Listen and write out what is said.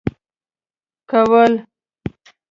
كول.